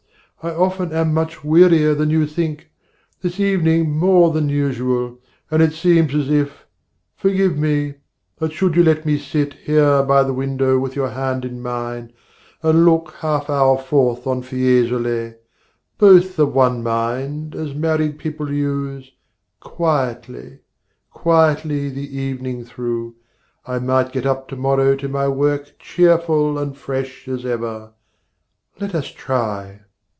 I often am much wearier than you think, This evening more than usual, and it seems As if forgive now should you let me sit Here by the window with your hand in mine And look a half hour forth on Fiesole, Both of one mind, as married people use, Quietly, quietly the evening through, I might get up to morrow to my work Cheerful and fresh as ever. Let us try.